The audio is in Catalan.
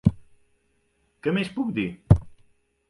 Què més puc dir?